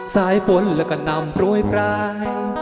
สายปนและกะนำโพร้ยปลาย